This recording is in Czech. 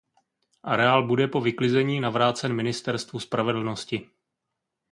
Areál bude po vyklizení navrácen Ministerstvu spravedlnosti.